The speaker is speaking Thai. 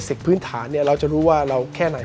ในศิลป์พื้นฐานเนี่ยเราจะรู้ว่าเราแค่ไหน